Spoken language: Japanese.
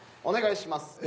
お願いします。